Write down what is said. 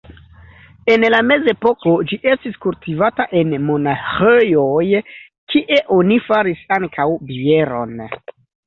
En la mezepoko ĝi estis kultivata en monaĥejoj, kie oni faris ankaŭ bieron.